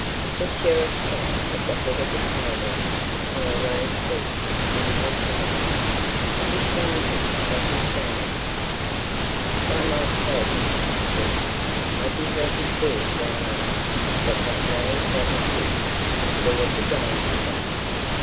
The Sheriff sat at the head of the table upon a raised seat under a canopy, and beside him sat his dame. (1) Bond servants. "By my troth," said he, "I did reckon full roundly that that knave Robin Hood would be at the game today.